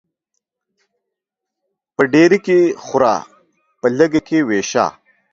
په ډيري کې خوره ، په لږي کې ويشه.